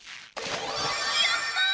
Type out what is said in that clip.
やったあ！